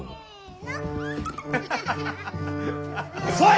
遅い！